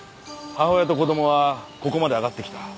母親と子供はここまで上がってきた。